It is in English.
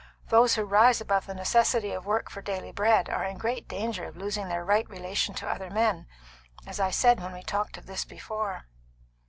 "Those who rise above the necessity of work for daily bread are in great danger of losing their right relation to other men, as I said when we talked of this before."